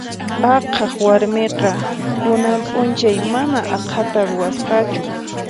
Aqhaq warmiqa kunan p'unchay mana aqhata ruwasqachu.